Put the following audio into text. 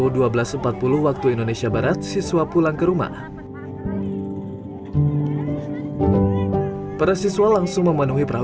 dalam persona berbahasa lahir